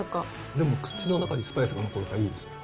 でも口の中にスパイスが残るからいいですね。